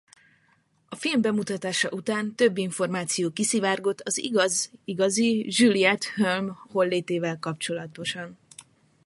A film bemutatása után több információ kiszivárgott az igazi Juliet Hulme hollétével kapcsolatosan.